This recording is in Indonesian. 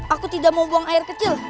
aku tidak mau buang air kecil